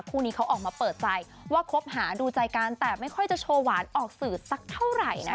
คู่นี้เขาออกมาเปิดใจว่าคบหาดูใจกันแต่ไม่ค่อยจะโชว์หวานออกสื่อสักเท่าไหร่นะ